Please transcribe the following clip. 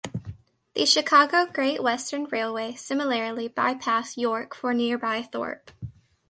The Chicago Great Western Railway similarly bypassed York for nearby Thorpe.